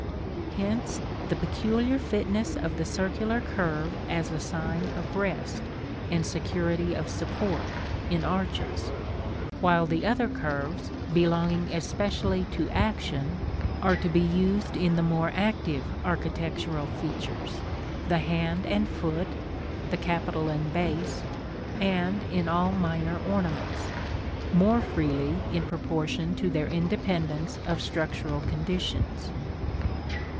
Hence the peculiar fitness of the circular curve as a sign of rest, and security of support, in arches; while the other curves, belonging especially to action, are to be used in the more active architectural features the hand and foot (the capital and base), and in all minor ornaments; more freely in proportion to their independence of structural conditions.